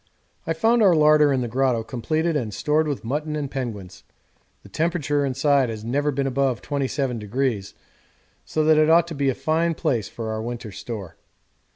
I found our larder in the grotto completed and stored with mutton and penguins the temperature inside has never been above 27°, so that it ought to be a fine place for our winter store.